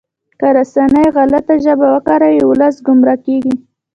که رسنۍ غلطه ژبه وکاروي ولس ګمراه کیږي.